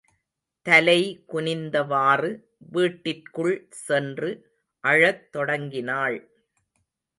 தலை குனிந்தவாறு வீட்டிற்குள் சென்று அழத் தொடங்கினாள்.